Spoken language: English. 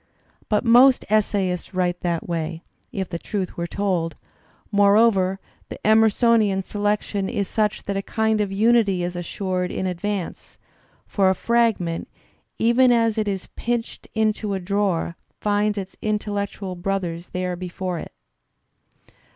But most , essayists write that way, if the truth were told; moreover, the Digitized by Google 70 THE SPIRIT OF AMERICAN LITERATURE Emersonian selection is such that a kind of unity is assured in advance; for a fragment, even as it is pitched into a drawer, finds its intellectual brothers there before it.